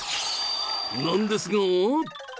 なんですが。